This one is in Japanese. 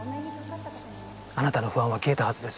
あなたの不安は消えたはずです。